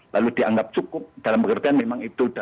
lalu dianggap cukup dalam pengertian memang itu